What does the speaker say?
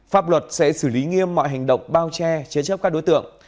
pháp luật sẽ xử lý nghiêm mọi hành động bao che chế chấp các đối tượng